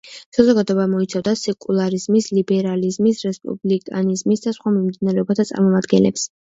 საზოგადოება მოიცავდა სეკულარიზმის, ლიბერალიზმის, რესპუბლიკანიზმის და სხვა მიმდინარეობათა წარმომადგენლებს.